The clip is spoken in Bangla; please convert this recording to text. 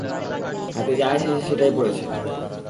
তাই হাতে যা এসেছে সেটাই পরেছে।